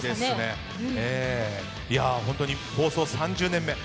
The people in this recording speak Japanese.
本当に、放送３０年目。